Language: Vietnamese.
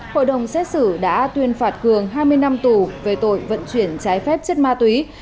hội đồng xét xử đã tuyên phạt cường hai mươi năm tù về tội vận chuyển trái phép chất ma túy